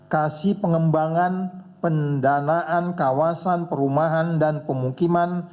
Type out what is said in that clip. kasih pengembangan pendanaan kawasan perumahan dan pemukiman